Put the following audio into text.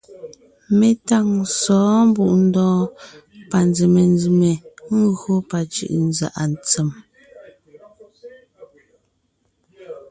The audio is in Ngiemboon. Mé táŋ sɔ̌ɔn Mbùʼndɔɔn panzèmenzème gÿó pacʉ̀ʼʉnzàʼa tsem.